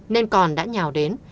nên còn đã nhào đến